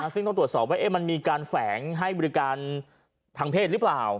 ซึ่งต้องตรวจสอบว่ามันมีการแฝงให้บริการทางเพศหรือเปล่า